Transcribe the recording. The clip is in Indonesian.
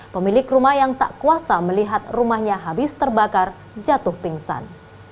pemilik rumah yang tak kuasa melihat rumahnya habis terbakar jatuh pingsan